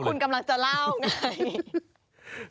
คุณกำลังจะเล่าไง